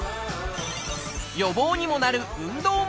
予防にもなる運動まで。